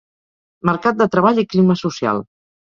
Mercat de treball i clima social.